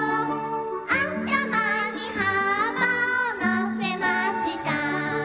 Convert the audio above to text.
「あたまにはっぱをのせました」